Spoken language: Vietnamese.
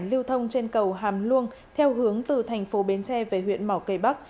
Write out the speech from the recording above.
liêu thông trên cầu hàm luông theo hướng từ thành phố biến tre về huyện mỏ cầy bắc